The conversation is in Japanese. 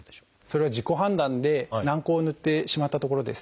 それは自己判断で軟こうを塗ってしまったところです。